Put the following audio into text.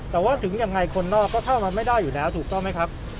แต่ว่าถึงยังไงคนนอกก็ถ้ามันไม่ได้อยู่แล้วถูกต้องไหมครับ